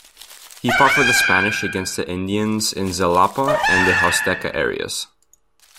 He fought for the Spanish against the Indians in Xalapa and the Huasteca areas.